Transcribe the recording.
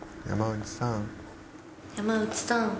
山内さん。